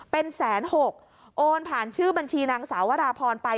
เป็น๑๐๖๐๐๐บาทโอนผ่านชื่อบัญชีนางสาวราพรไป